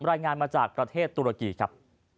รายงานมาจากประเทศตุรกีครับ